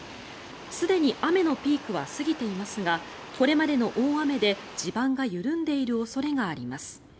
すでに雨のピークは過ぎていますがこれまでの大雨で地盤が緩んでいる恐れがあります。